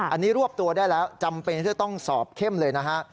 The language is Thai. อันนี้รวบตัวได้แล้วจำเป็นที่จะต้องสอบเข้มเลยนะฮะ